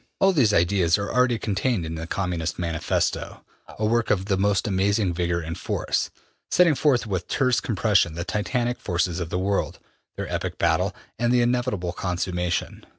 All these ideas are already contained in the ``Communist Manifesto,'' a work of the most amazing vigor and force, setting forth with terse compression the titanic forces of the world, their epic battle, and the inevitable consummation.